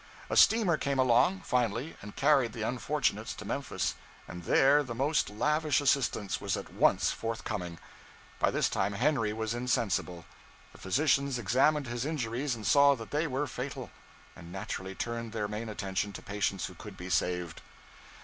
A steamer came along, finally, and carried the unfortunates to Memphis, and there the most lavish assistance was at once forthcoming. By this time Henry was insensible. The physicians examined his injuries and saw that they were fatal, and naturally turned their main attention to patients who could be saved.